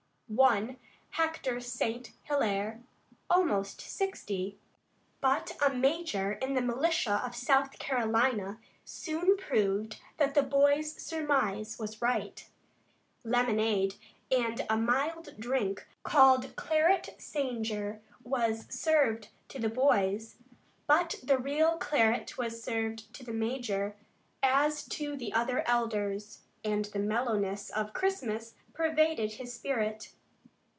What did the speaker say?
One, Hector St. Hilaire, almost sixty, but a major in the militia of South Carolina, soon proved that the boy's surmise was right. Lemonade and a mild drink called claret sanger was served to the boys, but the real claret was served to the major, as to the other elders, and the mellowness of Christmas pervaded his spirit.